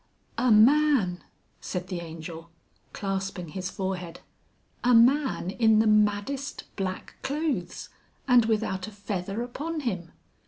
"A man!" said the Angel, clasping his forehead; "a man in the maddest black clothes and without a feather upon him.